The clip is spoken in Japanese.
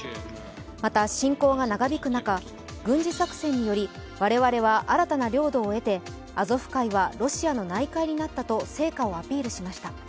また、侵攻が長引く中、軍事作戦により我々は新たな領土を得て、アゾフ海はロシアの内海になったと成果をアピールしました。